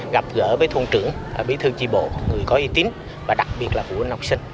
gặp gỡ với thôn trưởng bí thư tri bộ người có uy tín và đặc biệt là phụ huynh học sinh